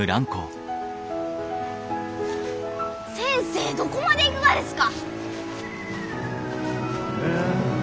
先生どこまで行くがですか？